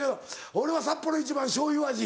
俺はサッポロ一番しょうゆ味。